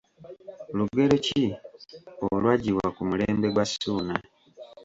Lugero ki olwaggibwa ku mulembe gwa Ssuuna I?